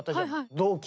同期？